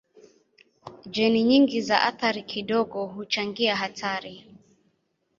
Jeni nyingi za athari kidogo huchangia hatari.